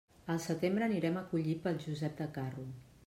Al setembre anirem a collir pel Josep de Carro.